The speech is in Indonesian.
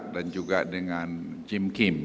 dan juga dengan jim kim